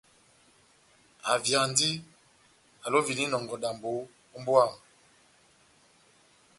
Avyandi, alovindi inɔngɔ dambo ó mbówa yamu.